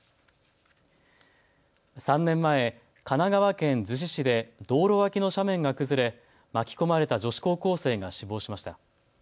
３年前、神奈川県逗子市で道路脇の斜面が崩れ巻き込まれた女子高校生が死亡しました。